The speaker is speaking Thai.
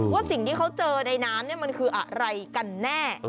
สิ่งที่เขาเจอในน้ำมันคืออะไรกันแน่